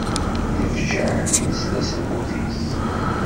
Nefjeε mi nesla s lmut-is.